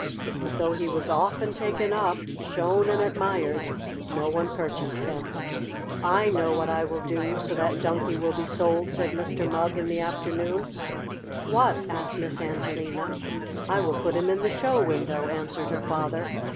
But, though he was often taken up, shown and admired, no one purchased him. "I know what I will do, so that Donkey will be sold!" said Mr. Mugg in the afternoon. "What?" asked Miss Angelina. "I will put him in the show window," answered her father.